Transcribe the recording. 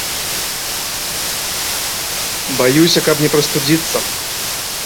Баюся, каб не прастудзіцца.